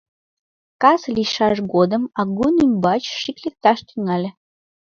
Кас лийшаш годым агун ӱмбач шикш лекташ тӱҥале.